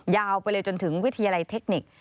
ยาวไปเลยจนถึงวิทยาลัยเทคนิค